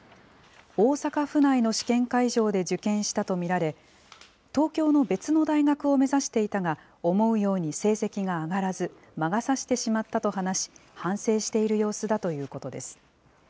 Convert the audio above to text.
大阪府内の試験会場で受験したと見られ、東京の別の大学を目指していたが、思うように成績が上がらず、魔が差してしまったと話し、反省している様子だということです。